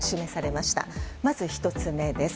まず１つ目です。